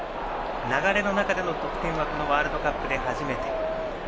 流れの中での得点はワールドカップで初めて。